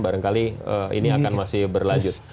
barangkali ini akan masih berlanjut